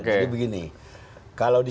jadi begini kalau di kita